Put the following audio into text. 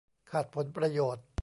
ขัดผลประโยชน์